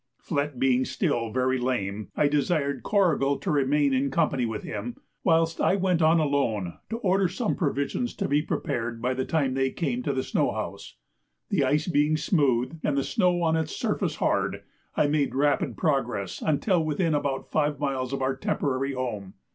Flett being still very lame, I desired Corrigal to remain in company with him, whilst I went on alone to order some provisions to be prepared by the time they came to the snow house. The ice being smooth, and the snow on its surface hard, I made rapid progress until within about five miles of our temporary home.